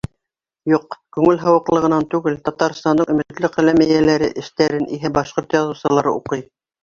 Юҡ, күңел һыуыҡлығынан түгел, Татарстандың өмөтлө ҡәләм эйәләре эштәрен иһә башҡорт яҙыусылары уҡый.